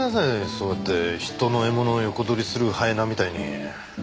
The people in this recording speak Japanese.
そうやって人の獲物を横取りするハイエナみたいに。